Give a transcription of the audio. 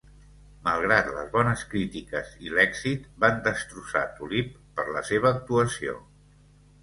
Malgrat les bones crítiques i l'èxit, van destrossar Tulip per la seva actuació.